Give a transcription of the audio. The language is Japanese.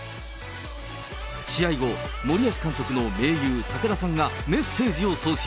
試合後、森保監督の盟友、武田さんがメッセージを送信。